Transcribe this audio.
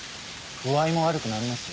具合も悪くなりますよ。